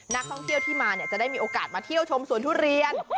นักท่องเที่ยวที่มาจะได้มีโอกาสมาเที่ยวชมสวนทุเรียน